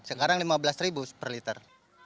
sekarang lima belas ribu per liter